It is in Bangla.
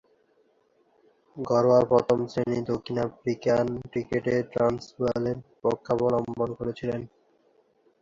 ঘরোয়া প্রথম-শ্রেণীর দক্ষিণ আফ্রিকান ক্রিকেটে ট্রান্সভালের পক্ষাবলম্বন করেছিলেন।